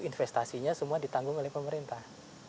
investasinya semua ditanggung oleh pemerintah